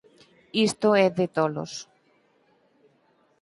Isto é de tolos.